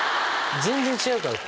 全然違うから！